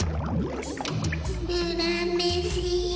うらめしや。